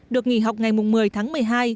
được nghỉ học ngày một mươi tháng một mươi hai